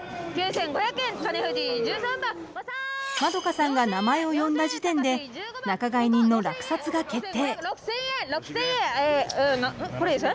まどかさんが名前を呼んだ時点で仲買人の落札が決定。